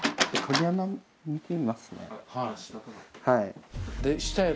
はい。